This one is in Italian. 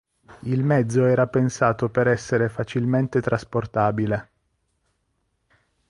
Il mezzo era pensato per essere facilmente trasportabile.